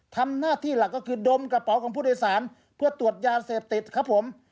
ทำหน้าที่หลักก็คือดมกระเป๋าของผู้โดยสารเพื่อตรวจยาเสพติดครับผม